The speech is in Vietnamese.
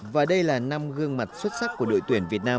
và đây là năm gương mặt xuất sắc của đội tuyển việt nam